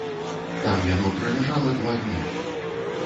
Там яно праляжала два дні.